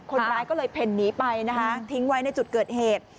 คนร้ายก็เลยเพ่นหนีไปนะคะทิ้งไว้ในจุดเกิดเหตุ